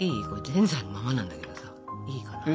ぜんざいのままなんだけどさいいかな？